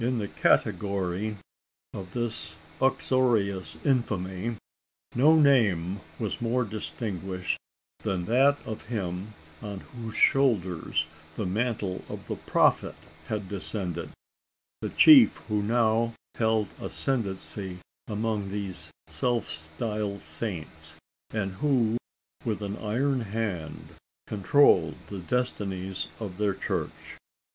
In the category of this uxorious infamy, no name was more distinguished than that of him, on whose shoulders the mantle of the prophet had descended the chief who now held ascendancy among these self styled saints; and who, with an iron hand, controlled the destinies of their church.